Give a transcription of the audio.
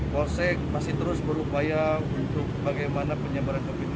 polsek masih terus berupaya untuk bagaimana penyebaran covid sembilan belas